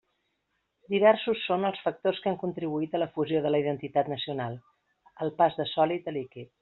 Diversos són els factors que han contribuït a la «fusió» de la identitat nacional, al pas de sòlid a líquid.